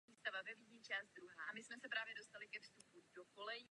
Studoval na Lvovské univerzitě.